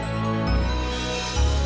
kamu pergilah kamila